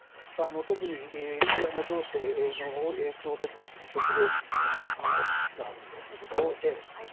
特に、ウクライナ情勢の影響で食糧危機が起きつつあると。